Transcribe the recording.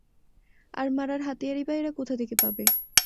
আর মারার হাতিয়ারই বা এরা কোথা থেকে পাবে?